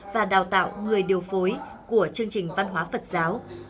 và đào tạo người điều phối của chương trình văn hóa phật giáo